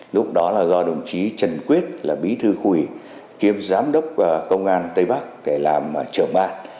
lúc đó là do đồng chí trần quyết là bí thư khu ủy kiếm giám đốc công an tây bắc để làm trưởng an